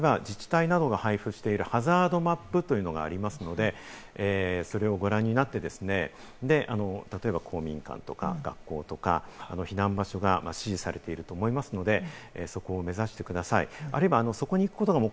その場合は自治体などが配布しているハザードマップというものがありますので、それをご覧になってですね、例えば公民館とか学校とか、避難場所が指示されていると思いますので、そこを目指してください。